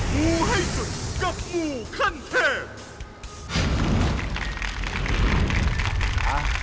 งูให้สุดกับงูขั้นเทพ